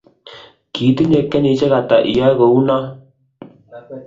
Kiitinye kenyisiek ata iyoe kou noe?